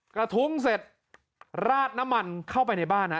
กระทุ้งเสร็จราดน้ำมันเข้าไปในบ้านฮะ